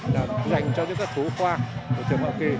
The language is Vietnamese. và dành cho những phát phú khoa của trường học kỳ